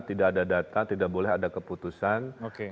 tidak ada data tidak boleh ada keputusan